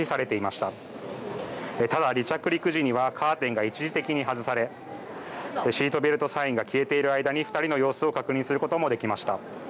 ただ、離着時にはカーテンが一時的に外され、シートベルトサインが消えている間に２人の様子を確認することもできました。